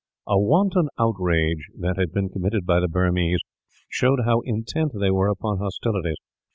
A wanton outrage that had been committed by the Burmese showed how intent they were upon hostilities.